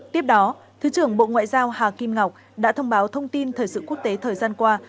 tiếp đó thứ trưởng bộ ngoại giao hà kim ngọc đã thông báo thông tin thời sự quốc tế thời gian qua